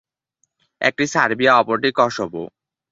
একটি সার্বিয়া অপরটি কসোভো।